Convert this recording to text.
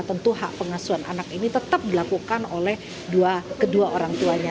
tentu hak pengasuhan anak ini tetap dilakukan oleh kedua orang tuanya